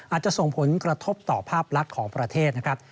อาจจะส่งผลกระทบต่อภาพลักษณ์ของประเทศนะครับ